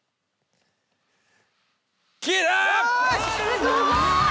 すごーい！